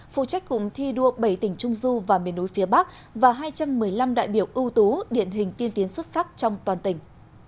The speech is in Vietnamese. phụ trách cùng thi đua bảy tỉnh trung du và miền núi phía bắc và hai trăm một mươi năm đại biểu ưu tú điện hình tiên tiến xuất sắc trong toàn tỉnh